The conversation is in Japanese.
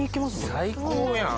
最高やん。